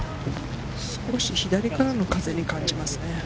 少し左からの風に感じますね。